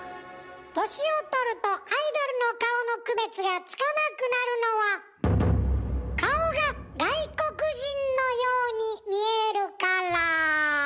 年をとるとアイドルの顔の区別がつかなくなるのは顔が外国人のように見えるから。